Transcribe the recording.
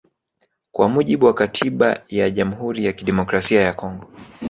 Kwa mujibu wa katiba ya Jamhuri ya Kidemokrasia ya Kongo